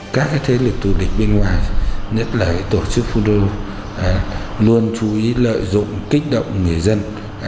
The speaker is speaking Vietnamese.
các thế lực tù địch bên ngoài nhất là tổ chức phú đô luôn chú ý lợi dụng kích động người dân